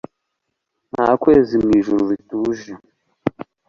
Nta kwezi mu ijuru rituje